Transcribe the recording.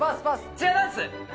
チアダンス。